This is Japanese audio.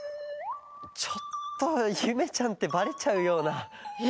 ちょっとゆめちゃんってバレちゃうような。え！？